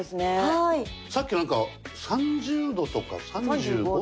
さっきなんか３０度とか３５度とか。